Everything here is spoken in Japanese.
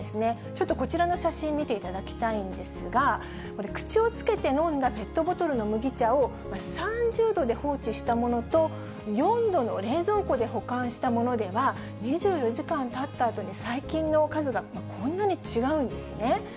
ちょっとこちらの写真、見ていただきたいんですが、これ、口をつけて飲んだペットボトルの麦茶を３０度で放置したものと、４度の冷蔵庫で保管したものでは、２４時間たったあとに細菌の数がこんなに違うんですね。